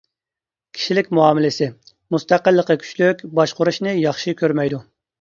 كىشىلىك مۇئامىلىسى: مۇستەقىللىقى كۈچلۈك، باشقۇرۇشنى ياخشى كۆرمەيدۇ.